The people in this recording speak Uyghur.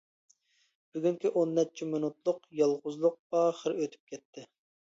بۈگۈنكى ئون نەچچە مىنۇتلۇق يالغۇزلۇق ئاخىرى ئۆتۈپ كەتتى.